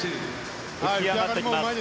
浮き上がってきます。